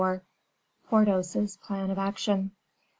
Porthos's Plan of Action.